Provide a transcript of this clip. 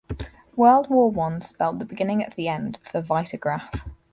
World War One spelled the beginning of the end for Vitagraph.